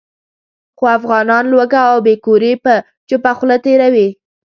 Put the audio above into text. خو افغانان لوږه او بې کوري په چوپه خوله تېروي.